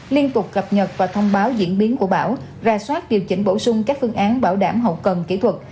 liên tục cập nhật và thông báo diễn biến của bão ra soát điều chỉnh bổ sung các phương án bảo đảm hậu cần kỹ thuật